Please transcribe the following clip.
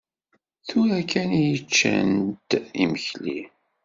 Tura kan i ččant imekli.